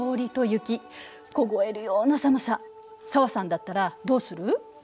紗和さんだったらどうする？